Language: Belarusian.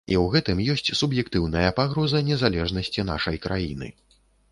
І ў гэтым ёсць суб'ектыўная пагроза незалежнасці нашай краіны.